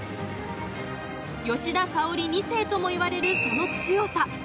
吉田沙保里２世ともいわれるその強さ。